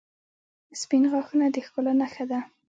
• سپین غاښونه د ښکلا نښه ده.